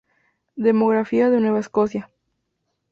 Demografía de Nueva Escocia